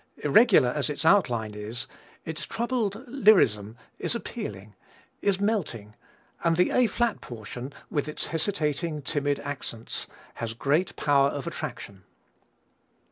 Irregular as its outline is, its troubled lyrism is appealing, is melting, and the A flat portion, with its hesitating, timid accents, has great power of attraction.